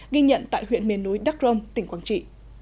ghi nhận tại huyện miền núi đắc rông tỉnh quảng trị